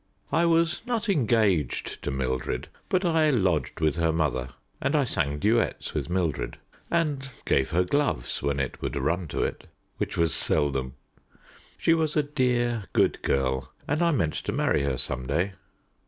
I was not engaged to Mildred, but I lodged with her mother, and I sang duets with Mildred, and gave her gloves when it would run to it, which was seldom. She was a dear good girl, and I meant to marry her some day.